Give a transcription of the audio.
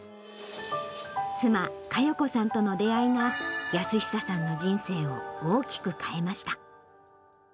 妻、加代子さんとの出会いが、泰久さんの人生を大きく変えました。